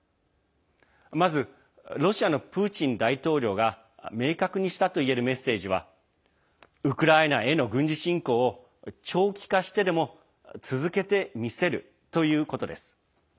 まず、ロシアのプーチン大統領が明確にしたといえるメッセージはウクライナへの軍事侵攻を長期化してでも続けてみせるということです。